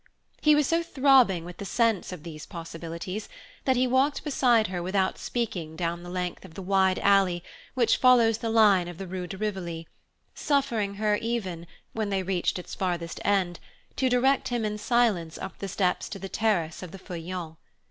He was so throbbing with the sense of these possibilities that he walked beside her without speaking down the length of the wide alley which follows the line of the Rue de Rivoli, suffering her even, when they reached its farthest end, to direct him in silence up the steps to the terrace of the Feuillants.